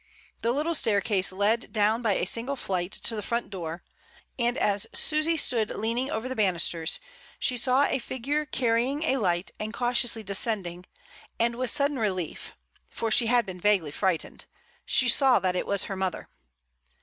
The little staircase led down by a single flight to the front door; and, as Susy stood leaning over the bannisters, she saw a figure carrying a light and cautiously descending, and with sudden relief (for she had been vaguely frightened) she saw that it was her mother.